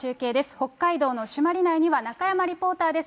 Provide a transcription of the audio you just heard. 北海道の朱鞠内には中山リポーターです。